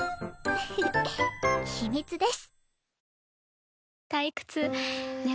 フフフッ秘密です。